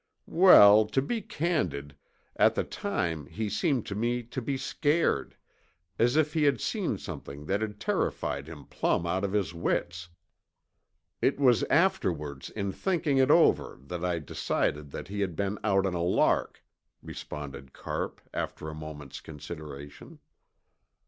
"Well, to be candid, at the time he seemed to me to be scared, as if he had seen something that had terrified him plumb out of his wits. It was afterwards in thinking it over that I decided that he had been out on a lark," responded Carpe, after a moment's consideration.